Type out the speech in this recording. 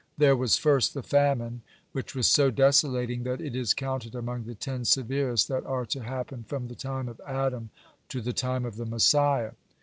There was first the famine, which was so desolating that it is counted among the ten severest that are to happen from the time of Adam to the time of the Messiah.